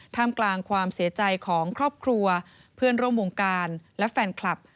กลางความเสียใจของครอบครัวเพื่อนร่วมวงการและแฟนคลับ